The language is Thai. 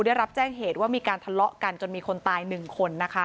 ได้รับแจ้งเหตุว่ามีการทะเลาะกันจนมีคนตาย๑คนนะคะ